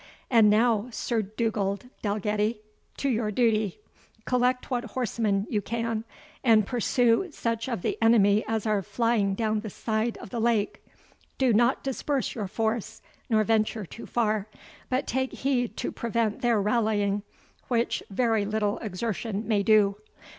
And now, Sir Dugald Dalgetty, to your duty. Collect what horsemen you can, and pursue such of the enemy as are flying down the side of the lake. Do not disperse your force, nor venture too far; but take heed to prevent their rallying, which very little exertion may do.